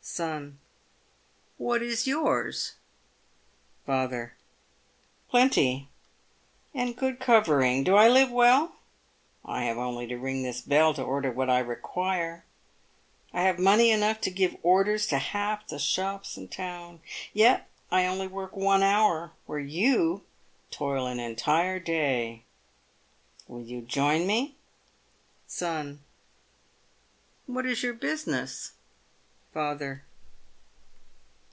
Son. What is yours ? Father. Plenty and good covering. Do I live well ? I have only to ring this bell to order what I require. I have money enough to give orders to half the shops in the town. Yet I only work one hour where you toil an entire day. Will you join me ? Son. What is your business ? Father.